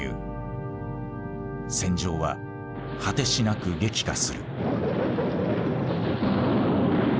戦場は果てしなく激化する。